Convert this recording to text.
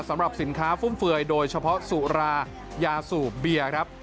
สำหรับสินค้าฟุ่มเฟือยโดยเฉพาะสุรายาสูบเบียร์ครับ